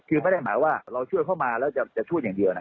คือไม่ได้หมายว่าเราช่วยเข้ามาแล้วจะช่วยอย่างเดียวนะ